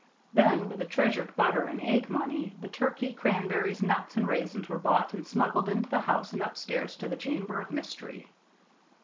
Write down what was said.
Then, with the treasured butter and egg money the turkey, cranberries, nuts, and raisins were bought and smuggled into the house and upstairs to the chamber of mystery.